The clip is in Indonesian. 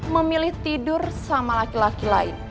memilih tidur sama laki laki lain